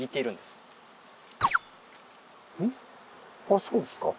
あそうですか。